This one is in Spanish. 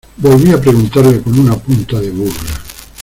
volví a preguntarle con una punta de burla: